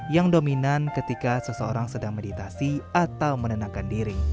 yang dominan ketika seseorang sedang meditasi atau menenangkan diri